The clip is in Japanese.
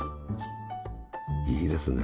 いいですね。